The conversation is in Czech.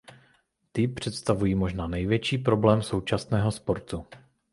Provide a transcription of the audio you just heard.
Ty představují možná největší problém současného sportu.